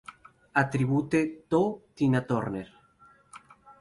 A Tribute To Tina Turner".